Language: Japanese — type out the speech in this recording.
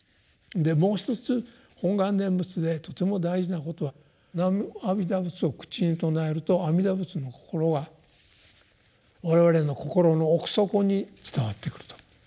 もう一つ「本願念仏」でとても大事なことは「南無阿弥陀仏」を口に称えると阿弥陀仏の心は我々の心の奥底に伝わってくると。